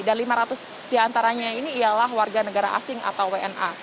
dan lima ratus diantaranya ini ialah warga negara asing atau wna